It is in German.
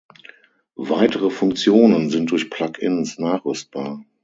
Weitere Funktionen sind durch Plug-ins nachrüstbar.